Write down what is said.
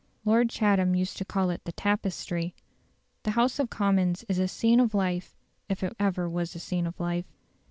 Lord Chatham used to call it the "Tapestry". The House of Commons is a scene of life if ever there was a scene of life.